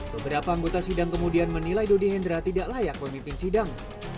beberapa anggota sidang kemudian menilai dodi hendra tidak layak memimpin sidang